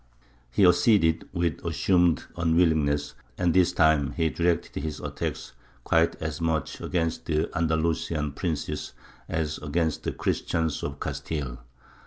He acceded, with assumed unwillingness, and this time he directed his attacks quite as much against the Andalusian princes as against the Christians of Castile.